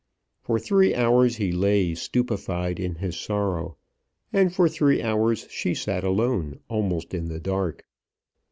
For three hours he lay stupefied in his sorrow; and for three hours she sat alone, almost in the dark.